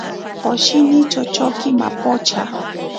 Poshini chochoki mapocha.